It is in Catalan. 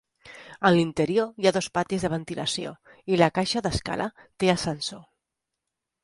En l'interior hi ha dos patis de ventilació i la caixa d'escala té ascensor.